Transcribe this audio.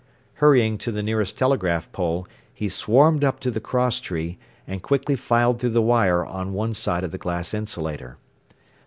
Hurrying to the nearest telegraph pole, he swarmed up to the cross tree, and quickly filed through the wire on one side of the glass insulator.